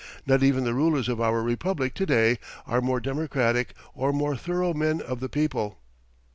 Not even the rulers of our Republic to day are more democratic or more thorough men of the people.